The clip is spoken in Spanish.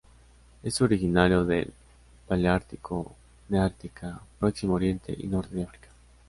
Es originario del Paleártico, Neártica, Próximo Oriente y Norte de África.